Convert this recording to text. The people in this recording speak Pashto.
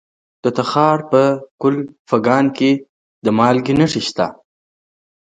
د تخار په کلفګان کې د مالګې نښې شته.